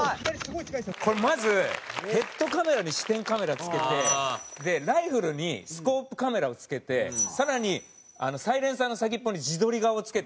これまずヘッドカメラに視点カメラつけてでライフルにスコープカメラをつけて更にサイレンサーの先っぽに自撮り画をつけてて。